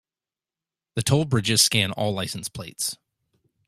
The toll bridges scan all license plates.